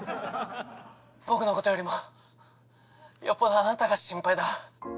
僕のことよりもよっぽどあなたが心配だ。